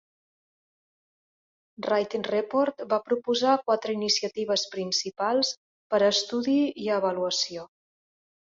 Ride Report va proposar quatre iniciatives principals per a estudi i avaluació.